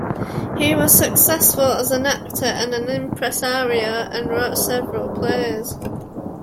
He was successful as an actor and as an impresario, and wrote several plays.